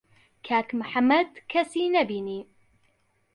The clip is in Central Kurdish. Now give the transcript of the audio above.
کاک محەممەد کەسی نەبینی.